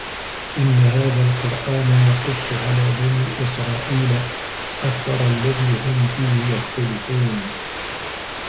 إِنَّ هذَا القُرآنَ يَقُصُّ عَلى بَني إِسرائيلَ أَكثَرَ الَّذي هُم فيهِ يَختَلِفونَ